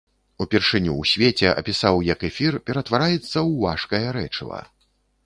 Упершыню ў свеце апісаў, як эфір ператвараецца ў важкае рэчыва.